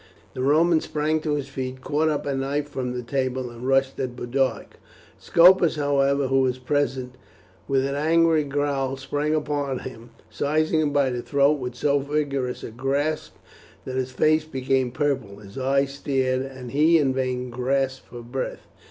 The Roman sprang to his feet, caught up a knife from the table, and rushed at Boduoc. Scopus, however, who was present, with an angry growl sprang upon him, seizing him by the throat with so vigorous a grasp that his face became purple, his eyes stared, and he in vain gasped for breath.